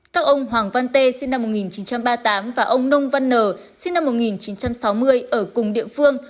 các ông hoàng văn tê sinh năm một nghìn chín trăm ba mươi tám và ông nông văn nờ sinh năm một nghìn chín trăm sáu mươi ở cùng địa phương